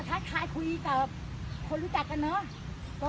ทักทายคุยกับคนรู้จักกันเนอะ